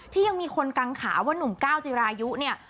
ที่ยังมีคนกังขาว่านุ่มก้าวจิรายุเนี่ย